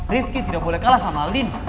rifki tidak boleh kalah sama lin